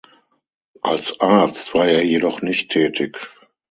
Als Arzt war er jedoch nicht tätig.